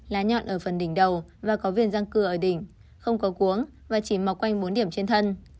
lá nhọn ở phần đỉnh đầu và có viên răng cưa ở đỉnh không có cuốn và chỉ mọc quanh bốn điểm trên thân